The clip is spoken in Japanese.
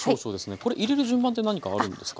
これ入れる順番って何かあるんですか？